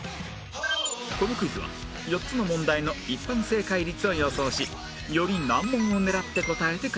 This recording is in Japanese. このクイズは４つの問題の一般正解率を予想しより難問を狙って答えてください